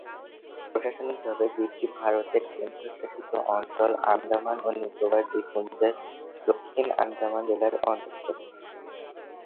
প্রশাসনিকভাবে, দ্বীপটি ভারতের কেন্দ্রশাসিত অঞ্চল আন্দামান ও নিকোবর দ্বীপপুঞ্জের দক্ষিণ আন্দামান জেলার অন্তর্গত।